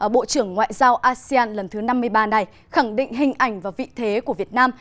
bộ trưởng ngoại giao asean lần thứ năm mươi ba này khẳng định hình ảnh và vị thế của việt nam